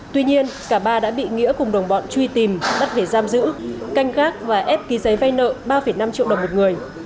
tuy nhiên cả ba đã bị nghĩa cùng đồng bọn truy tìm bắt về giam giữ canh gác và ép ký giấy vay nợ ba năm triệu đồng một người